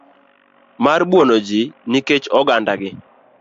mar buono ji nikech ogandagi.